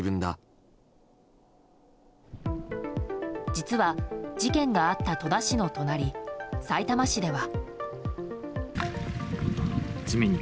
実は、事件があった戸田市の隣さいたま市では。